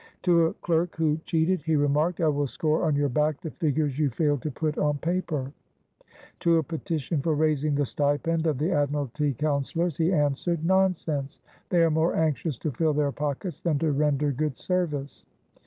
To a clerk who cheated, he remarked, " I will score on your back the figures you failed to put on paper." To a petition for raising the stipend of the Admiralty Councilors, he answered :— "Nonsense! they are more anxious to fill their pockets than to render good service."